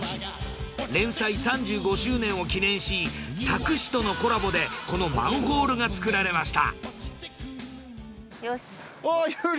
連載３５周年を記念し佐久市とのコラボでこのマンホールが作られました。